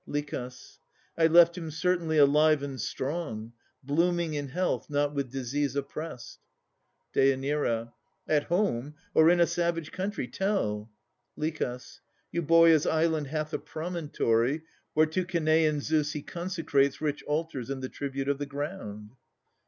LICH. I left him certainly alive and strong: Blooming in health, not with disease oppressed. DÊ. In Greece, or in some barbarous country? Tell! LICH. Euboea's island hath a promontory, Where to Cenaean Zeus he consecrates Rich altars and the tribute of the ground.